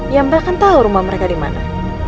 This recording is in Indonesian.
ya mbak kan tau rumah mereka dimana